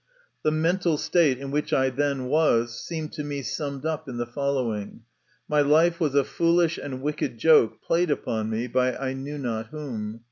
The mental state in which I then was seemed to me summed up in the following : my life was a foolish and wicked joke played upon me by I knew not whom.